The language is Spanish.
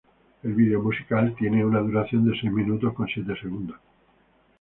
El vídeo musical tiene una duración de seis minutos con siete segundos.